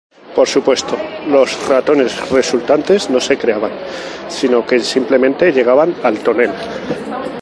Por supuesto, los ratones "resultantes" no se creaban, sino que simplemente, "llegaban" al tonel.